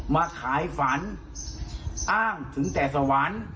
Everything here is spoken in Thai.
มาจากไหน